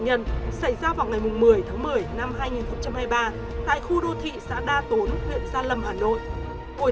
nhân xảy ra vào ngày một mươi tháng một mươi năm hai nghìn hai mươi ba tại khu đô thị xã đa tốn huyện gia lâm hà nội hội